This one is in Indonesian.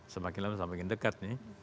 semakin lama semakin dekat nih